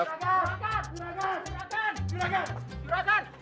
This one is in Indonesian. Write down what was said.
seragam seragam seragam